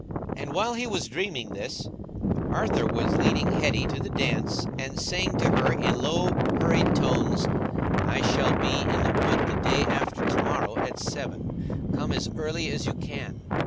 And while he was dreaming this, Arthur was leading Hetty to the dance and saying to her in low hurried tones, "I shall be in the wood the day after to morrow at seven; come as early as you can."